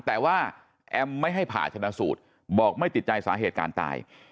แต่ว่าแอมไม่ให้ผ่าชนะสูตรบอกไม่ติดใจสาเหตุการตาย